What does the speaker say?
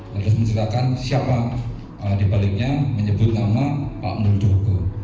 terus menceritakan siapa dibaliknya menyebut nama pak muldoko